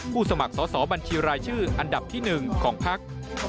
สมัครสอบบัญชีรายชื่ออันดับที่๑ของพัก